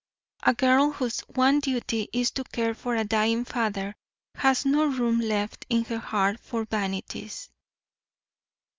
A girl whose one duty is to care for a dying father has no room left in her heart for vanities.